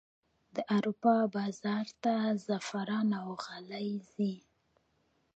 د اروپا بازار ته زعفران او غالۍ ځي